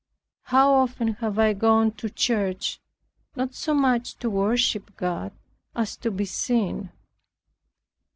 How often have I gone to church, not so much to worship God as to be seen.